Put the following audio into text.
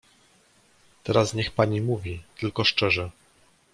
"Teraz niech pani mówi, tylko szczerze!"